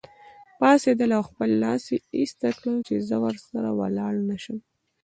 پاڅېدله او خپل لاس یې ایسته کړ چې زه ورسره ولاړ نه شم.